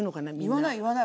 言わない言わない。